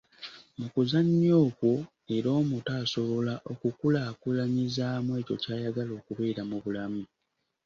Mu kuzannya okwo era omuto asobola okukulaakulanyizaamu ekyo ky’ayagala okubeera mu bulamu.